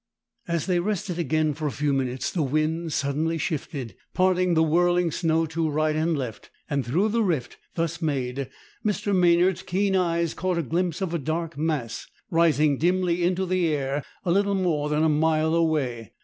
As they rested again for a few minutes, the wind suddenly shifted, parting the whirling snow to right and left, and through the rift thus made, Mr. Maynard's keen eyes caught a glimpse of a dark mass rising dimly into the air a little more than a mile away.